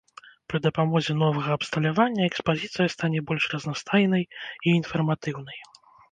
Пры дапамозе новага абсталявання экспазіцыя стане больш разнастайнай і інфарматыўнай.